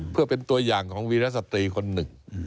เพื่อเป็นตัวอย่างของวีรสตรีคนหนึ่ง